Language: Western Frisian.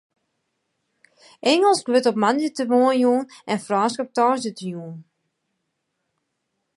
Ingelsk wurdt op moandeitemoarn jûn en Frânsk op tongersdeitejûn.